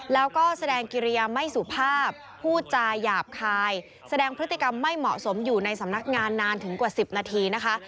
แล้วก็แสดงกิริยาไม่สุภาพพูดจาหยาบคายแสดงพฤติกรรมไม่เหมาะสมอยู่ในสำนักงานนานถึงกว่า๑๐นาทีนะคะ